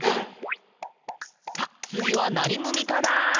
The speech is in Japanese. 「さあ、つぎはなにぐみかな？」